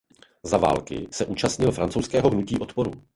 Za války se účastnil francouzského hnutí odporu.